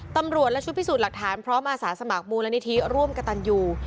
ตำรวจและชุดพิสูจน์หลักฐานพร้อมอาสาสมัครมูลนิธิร่วมกระตันยู